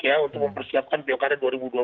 ya untuk mempersiapkan pilkada dua ribu dua puluh